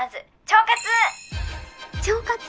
腸活？